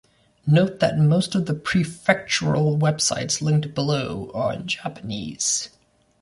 Note that most of the prefectural websites linked below are in Japanese.